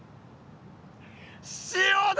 塩だ！